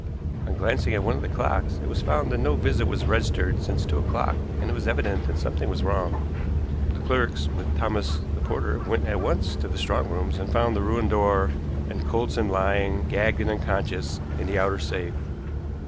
On glancing at one of the clocks, it was found that no visit was registered since two o'clock, and it was evident that something was wrong. The clerks, with Thomas, the porter, went at once to the strong rooms, and found the ruined door and Coulsdon lying, gagged and unconscious, in the outer safe.